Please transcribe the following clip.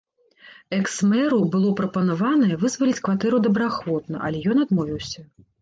Экс-мэру было прапанаванае вызваліць кватэру добраахвотна, але ён адмовіўся.